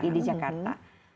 iya di jakarta